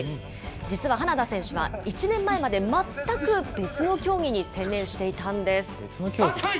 実は花田選手は、１年前まで全く別の競技に専念していたんです。